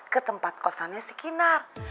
ke tempat kosannya si kinar